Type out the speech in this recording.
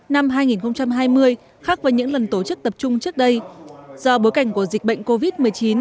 năm hai nghìn hai mươi khác với những lần tổ chức tập trung trước đây do bối cảnh của dịch bệnh covid một mươi chín